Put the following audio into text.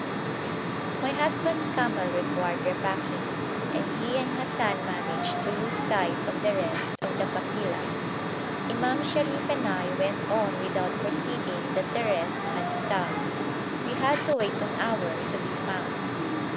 My husband's camel required repacking, and he and Hassan managed to lose sight of the rest of the kafila. Imam Sharif and I went on without perceiving that the rest had stopped. We had to wait an hour to be found.